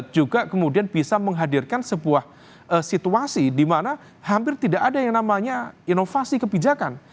juga kemudian bisa menghadirkan sebuah situasi di mana hampir tidak ada yang namanya inovasi kebijakan